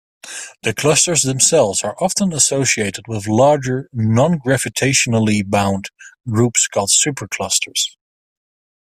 The clusters themselves are often associated with larger, non-gravitationally bound, groups called superclusters.